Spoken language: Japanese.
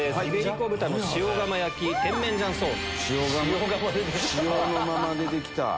塩塩のまま出てきた。